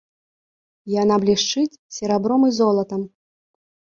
Яна блішчыць серабром і золатам.